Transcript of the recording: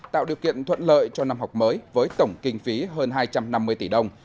tạo điều kiện thuận lợi cho năm học mới với tổng kinh phí hơn hai trăm năm mươi tỷ đồng